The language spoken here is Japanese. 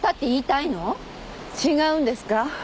違うんですか？